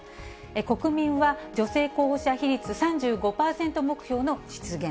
国民は女性候補者比率３５％目標の実現。